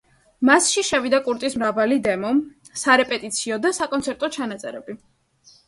მასში შევიდა კურტის მრავალი დემო, სარეპეტიციო და საკონცერტო ჩანაწერები.